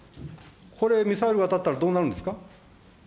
これ、ミサイルが当たったら、どうなるんですか。